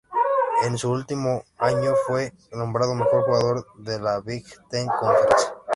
En su último año fue nombrado mejor jugador de la Big Ten Conference.